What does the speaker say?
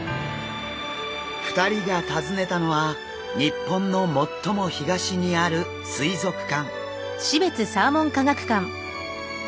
２人が訪ねたのは日本の最も東にある水族館。